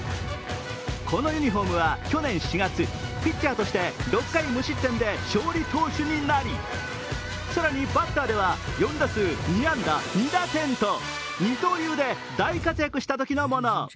このユニフォームは去年４月ピッチャーとして６回無失点で勝利投手になり更にバッターでは４打数２安打２打点と二刀流で大活躍したときのもの。